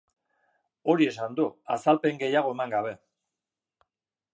Hori esan du, azalpen gehiago eman gabe.